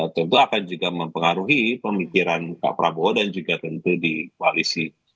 tentu akan juga mempengaruhi pemikiran pak prabowo dan juga tentu di koalisi